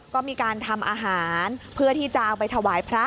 ก็มีการทำอาหารเพื่อที่จะเอาไปถวายพระ